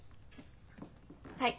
はい。